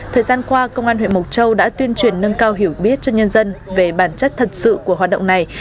thời gian qua công an huyện mộc châu đã tuyên truyền nâng cao hiểu biết cho nhân dân về bản chất thật sự của hoạt động này